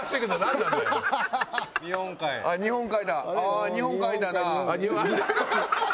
ああ日本海だな。